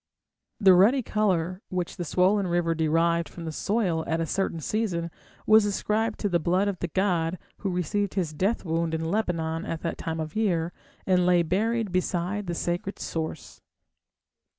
The ruddy colour which the swollen river derived from the soil at a certain season was ascribed to the blood of the god, who received his death wound in Lebanon at that time of the year, and lay buried beside the sacred source."